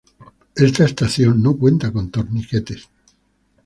Esta estación no cuenta con torniquetes.